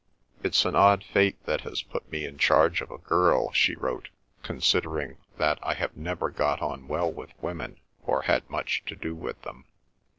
"It's an odd fate that has put me in charge of a girl," she wrote, "considering that I have never got on well with women, or had much to do with them.